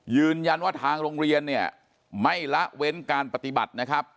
ยืนยันว่าทางโรงเรียนเนี่ยไม่ละเว้นการปฏิบัตินะครับ